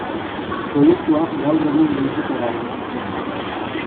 Proiektua gaur egun geldituta dago.